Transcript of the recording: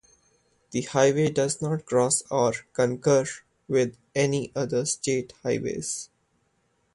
The highway does not cross or concur with any other state highways.